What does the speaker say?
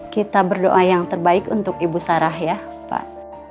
kita berdoa yang terbaik untuk ibu sarah ya pak